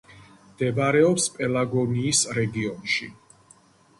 მდებარეობს პელაგონიის რეგიონში.